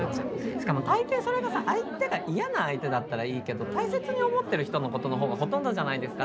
しかも大抵それがさ相手が嫌な相手だったらいいけど大切に思ってる人のことの方がほとんどじゃないですか。